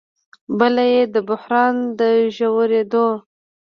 بله یې د بحران د ژورېدو